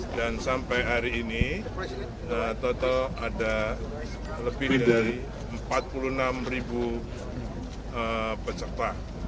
dan sampai hari ini total ada lebih dari empat puluh enam ribu peserta